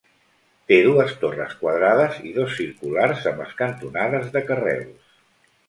Té dues torres quadrades i dos circulars amb les cantonades de carreus.